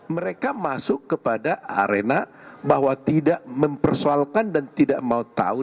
mereka masuk kepada arena bahwa tidak mempersoalkan dan tidak mau tahu